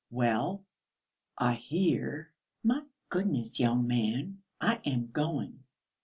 "Well, I hear." "My goodness! Young man, I am going."